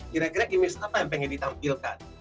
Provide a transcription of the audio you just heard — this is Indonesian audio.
kira kira image apa yang pengen ditampilkan